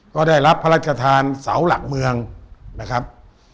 ก็ได้รับพระราชทานเสาหลักเมืองนะครับ